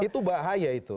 itu bahaya itu